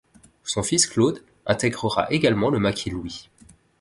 Son fils Claude intégrera également le maquis Louis.